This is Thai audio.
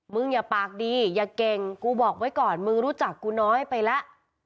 อย่าปากดีอย่าเก่งกูบอกไว้ก่อนมึงรู้จักกูน้อยไปแล้ว